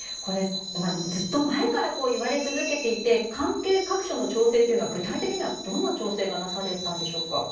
ずっと前から言われ続けていて関係各所の調整とは具体的にはどんな調整がなされたのでしょうか。